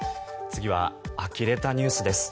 次はあきれたニュースです。